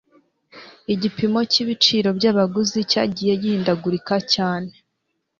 Igipimo cyibiciro byabaguzi cyagiye gihindagurika cyane